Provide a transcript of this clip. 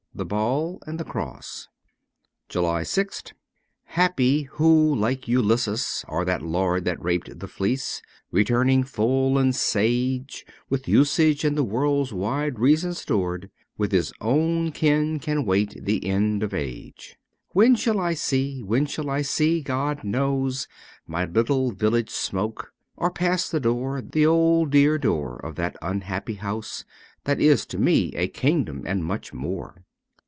' The Ball and the Cross.' 207 JULY 6th HAPPY, who like Ulysses or that lord That raped the fleece, returning full and sage. With usage and the world's wide reason stored, With his own kin can wait the end of age. When shall I see, when shall I see, God knows ! My little village smoke ; or pass the door, The old dear door of that unhappy house That is to me a kingdom and much more